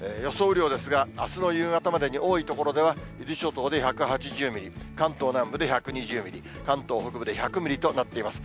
雨量ですが、あすの夕方までに多い所では、伊豆諸島で１８０ミリ、関東南部で１２０ミリ、関東北部で１００ミリとなっています。